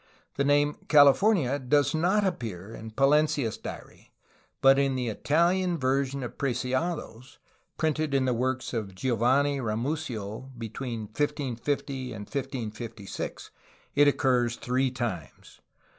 The name "California" does not appear in Pa lencia's diary, but in the Italian version of Preciado's, printed in the works of Giovanni Ramusio between 1550 and 1556, it occurs three times.